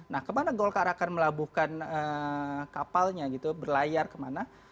nah kemana golkar akan melabuhkan kapalnya gitu berlayar kemana